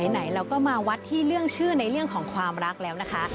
ไหนเราก็มาวัดที่เรื่องชื่อในเรื่องของความรักแล้วนะคะ